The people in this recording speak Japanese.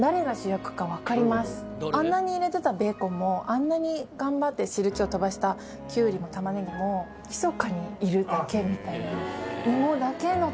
あんなに入れてたベーコンもあんなに頑張って汁気を飛ばしたきゅうりも玉ねぎもひそかにいるだけみたいな。